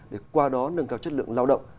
để qua đó nâng cao chất lượng lao động